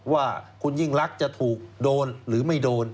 ว่าคุณยิ่งรักจะถูกโดนหรือไม่โดน